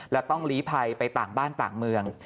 และต้องลีภัยไปต่างบ้านต่างเมือง